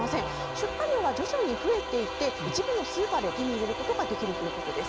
出荷量は徐々に増えていて一部のスーパーで手に入れることができるということです。